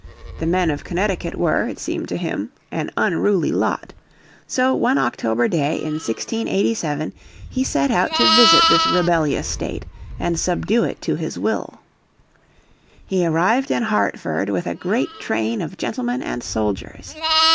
The men of Connecticut were, it seemed to him, an unruly lot. So one October day in 1687 he set out to visit this rebellious state and subdue it to his will. He arrived in Hartford with a great train of gentlemen and soldiers.